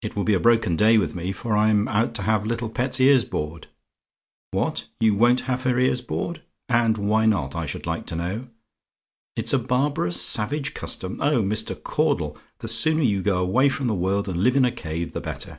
It will be a broken day with me, for I'm going out to have little pet's ears bored What? "YOU WON'T HAVE HER EARS BORED? "And why not, I should like to know? "IT'S A BARBAROUS, SAVAGE CUSTOM? "Oh, Mr. Caudle! the sooner you go away from the world, and live in a cave, the better.